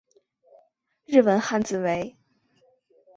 日文汉字为。